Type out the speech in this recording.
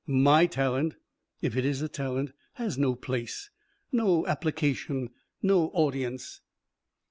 My talent if it is a talent has no place, no application, no audience."